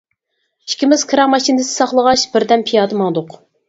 ئىككىمىز كىرا ماشىنىسى ساقلىغاچ بىردەم پىيادە ماڭدۇق.